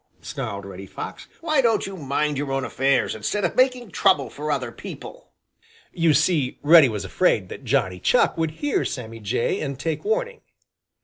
snarled Reddy Fox. "Why don't you mind your own affairs, instead of making trouble for other people?" You see, Reddy was afraid that Johnny Chuck would hear Sammy Jay and take warning.